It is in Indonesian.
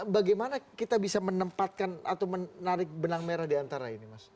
bagaimana kita bisa menempatkan atau menarik benang merah diantara ini mas